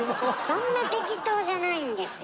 そんな適当じゃないんですよ？